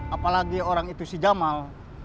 apalagi orang itu si jamal